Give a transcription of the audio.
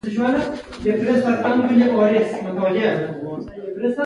مېز د پوستکو ایښودو ځای دی.